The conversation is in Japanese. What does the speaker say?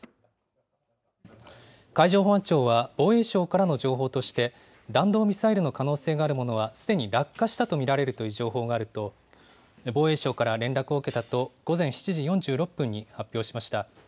海上保安庁は防衛省からの情報として、弾道ミサイルの可能性があるものは、すでに落下したと見られるという情報があると、防衛省から連絡を受けたと、午前７時４６分に発表しました。